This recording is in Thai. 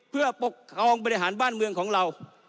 เพื่อปกครองบริหารบ้านเมืองของเรา